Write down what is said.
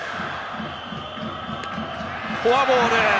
フォアボール！